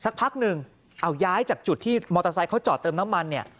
สักพักหนึ่งเอาย้ายจากจุดที่มอเตอร์ไซค์เขาจอดเติมน้ำมันเนี่ย